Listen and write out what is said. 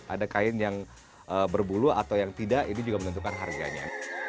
ada kain yang berbulu atau yang tidak ini juga menentukan harganya